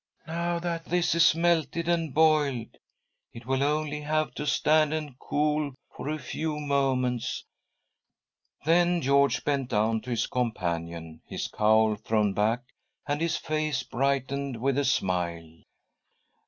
" Now that this is melted and boiled, it will only have to stand and cool for a few moments." Then George bent down to his companion, his cowl thrown back and his face brightened with a smile.